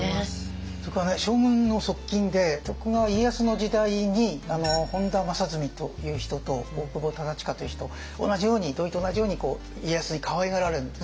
それからね将軍の側近で徳川家康の時代に本多正純という人と大久保忠隣という人同じように土井と同じように家康にかわいがられるんですね。